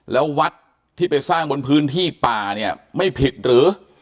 แล้ววัดที่ไปสร้างบนพื้นที่ป่าเนี่ยไม่ผิดหรือ